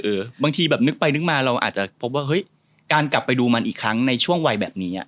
บางทีแบบนึกไปนึกมาเราอาจจะพบว่าเฮ้ยการกลับไปดูมันอีกครั้งในช่วงวัยแบบนี้อ่ะ